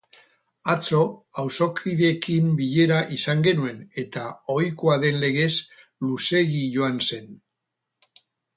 Atzo auzokoekin bilera izan genuen eta ohikoa den legez, luzeegi joan zen.